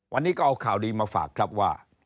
วันนี้ก็เอาข่าวดีมาฝากครับว่า